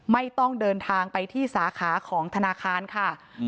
ไม่ต้องเดินทางไปที่สาขาของธนาคารค่ะ